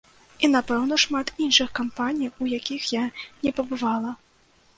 І, напэўна, шмат іншых кампаній, у якіх я не пабывала.